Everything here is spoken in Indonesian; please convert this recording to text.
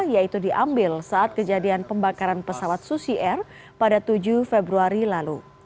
yaitu diambil saat kejadian pembakaran pesawat susi air pada tujuh februari lalu